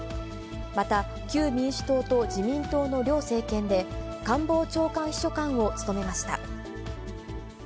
また旧民主党と自民党の両政権で、官房長官秘書官を務めました。